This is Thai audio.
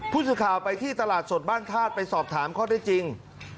ผู้สื่อข่าวไปที่ตลาดสดบ้านธาตุไปสอบถามข้อได้จริง